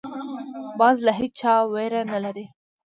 باز له هېچا ویره نه لري